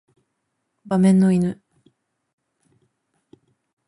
馬面の犬